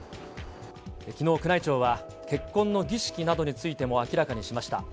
きのう宮内庁は、結婚の儀式などについても明らかにしました。